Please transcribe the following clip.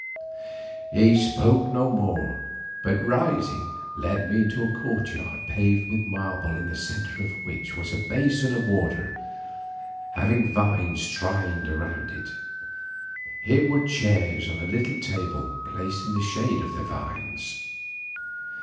He spoke no more, but rising, led me into a courtyard paved with marble in the centre of which was a basin of water, having vines trained around it. Here were chairs and a little table placed in the shade of the vines.